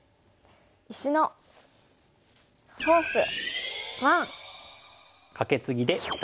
「石のフォース１」。